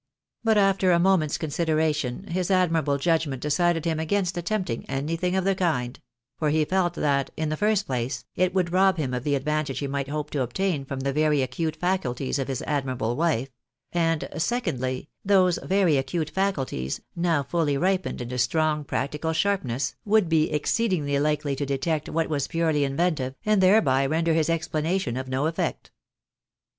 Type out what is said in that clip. But after a moment's consideration, his admirable judgment decided him against attempting cny thing of the kind ; for he felt that, in the iirst place, it Avould rob him of the advantage he might hope to obtain from the very acute faculties of his admirable wife ; and secondly, those very acute faculties, now fully ripened into strong practical sharpness, would be exceedingly likely to detect what was purely inventive, and thereby render his explanation of no effect.